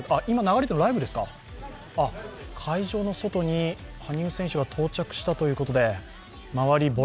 今流れているのは、会場の外に羽生選手が到着したということで、周り